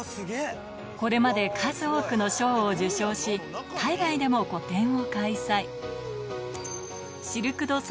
これまで数多くの賞を受賞し海外でも個展を開催